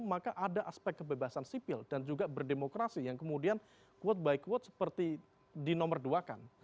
maka ada aspek kebebasan sipil dan juga berdemokrasi yang kemudian quote by quote seperti di nomor dua kan